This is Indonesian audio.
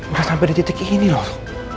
udah sampai di titik ini loh